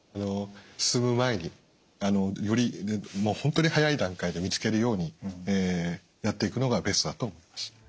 進む前により本当に早い段階で見つけるようにやっていくのがベストだと思います。